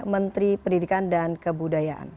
menteri pendidikan dan kebudayaan